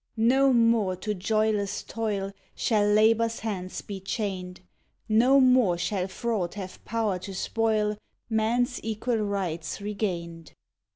IX No more to joyless toil Shall Labour's hands be chained; No more shall Fraud have power to spoil Man's equal rights regained.